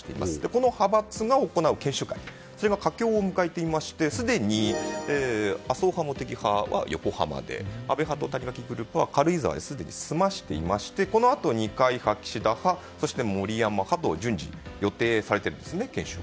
この派閥が行う研修会が佳境を迎えていまして麻生派、茂木派は横浜で安倍派と谷垣グループは軽井沢ですでに済ませていて、このあと二階派、岸田派、森山派と研修会が順次予定されているんですね。